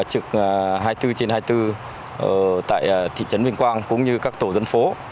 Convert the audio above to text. trực hai mươi bốn trên hai mươi bốn tại thị trấn vinh quang cũng như các tổ dân phố